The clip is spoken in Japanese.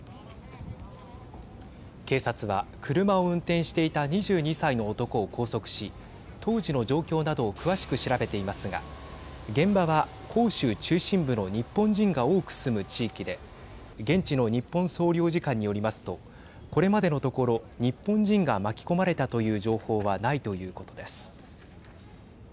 警察は車を運転していた２２歳の男を拘束し当時の状況などを詳しく調べていますが現場は広州中心部の日本人が多く住む地域で現地の日本総領事館によりますとこれまでのところ日本人が巻き込まれたという情報はないということです。